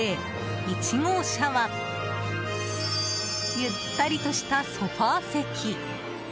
１号車はゆったりとしたソファ席。